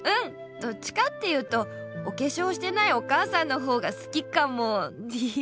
どっちかっていうとおけしょうしてないお母さんのほうがすきかもでへへへ。